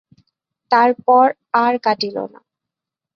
তার পর আর কাটিল না।